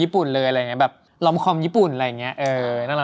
เพราะถ้าจะดูอะไรแบบ